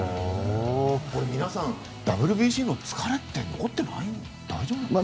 皆さん、ＷＢＣの疲れって残ってないんですか？